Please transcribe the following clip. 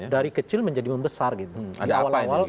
dari kecil menjadi membesar gitu